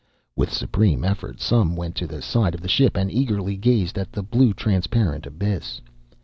With supreme effort some went to the side of the ship and eagerly gazed at the blue, transparent abyss.